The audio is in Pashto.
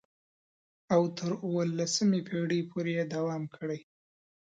او تر اوولسمې پېړۍ پورې یې دوام کړی.